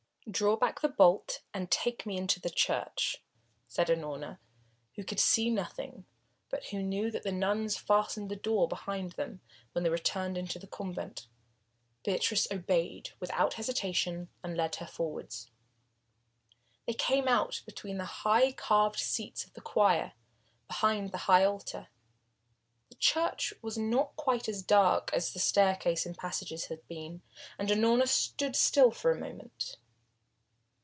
"Draw back the bolt and take me into the church," said Unorna, who could see nothing, but who knew that the nuns fastened the door behind them when they returned into the convent. Beatrice obeyed without hesitation and led her forward. They came out between the high carved seats of the choir, behind the high altar. The church was not quite as dark as the staircase and passages had been, and Unorna stood still for a moment.